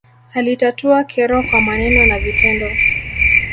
alitatua kero kwa maneno na vitendo